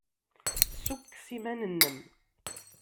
Ssukkes iman-nnem.